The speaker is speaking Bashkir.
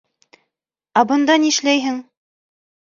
Ә бында нишләйһең?